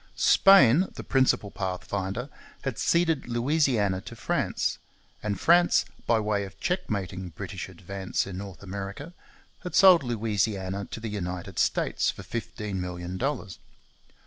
Spain, the pioneer pathfinder, had ceded Louisiana to France; and France, by way of checkmating British advance in North America, had sold Louisiana to the United States for fifteen million dollars.